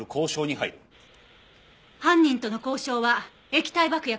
犯人との交渉は液体爆薬